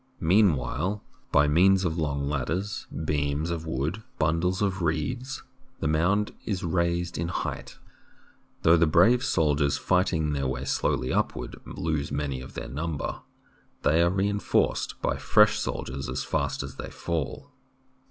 Meanwhile, by means of long ladders, beams of wood, bundles of reeds, the mound is raised in height. Though the brave soldiers fighting their way slowly upward lose many of their number, A SIEGE IN THE EARLIEST TIMES they are reinforced by fresh soldiers as fast as they fall.